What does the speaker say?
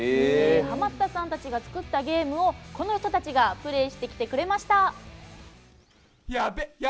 ハマったさんたちが作ったゲームをこの人たちがプレーしてきてくれました。